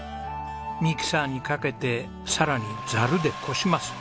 ミキサーにかけてさらにザルでこします。